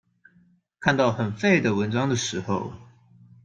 看到很廢的文章的時候